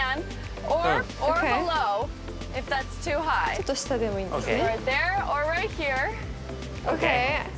ちょっと下でもいいんですね。